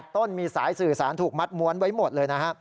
ต้นมีสายสื่อสารถูกมัดม้วนไว้หมดเลยนะฮะ